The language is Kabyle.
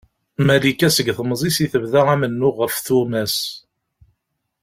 Malika seg temẓi-s i tebda amennuɣ ɣef tumas.